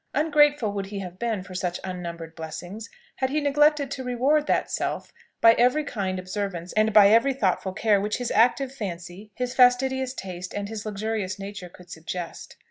Ungrateful would he have been for such unnumbered blessings had he neglected to reward that self by every kind observance and by every thoughtful care which his active fancy, his fastidious taste, and his luxurious nature could suggest.